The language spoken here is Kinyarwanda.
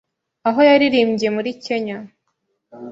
aho yaririmbye muri Kenya,